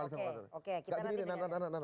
enggak gini enak enak